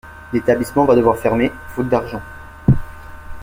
L'établissement va devoir fermer, faute d'argent.